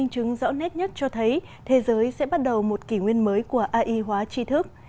chứng rõ nét nhất cho thấy thế giới sẽ bắt đầu một kỷ nguyên mới của ai hóa tri thức